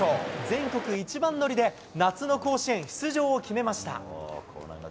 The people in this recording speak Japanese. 全国一番乗りで夏の甲子園出場を決めました。